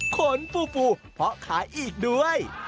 ขนปูเพราะขายอีกด้วย